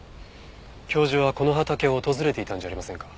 教授はこの畑を訪れていたんじゃありませんか？